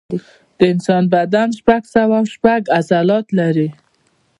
د انسان بدن شپږ سوه شپږ عضلات لري.